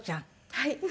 はい。